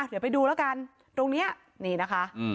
เดี๋ยวไปดูแล้วกันตรงนี้นี่นะคะ